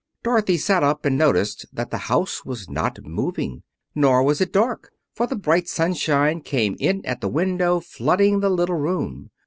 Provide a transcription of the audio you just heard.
Dorothy sat up and noticed that the house was not moving; nor was it dark, for the bright sunshine came in at the window, flooding the little room.